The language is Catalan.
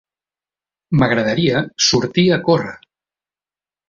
M'agradaria sortir a córrer.